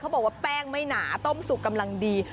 บอกว่าแป้งไม่หนาต้มสุกกำลังดี